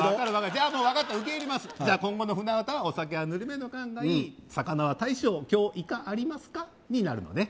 じゃあもう分かった受け入れますじゃあ今後の「舟唄」は「お酒はぬるめの燗がいい」「肴は大将今日イカありますか？」になるのね